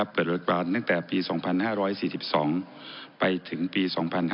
เปิดบริการตั้งแต่ปี๒๕๔๒ไปถึงปี๒๕๕๙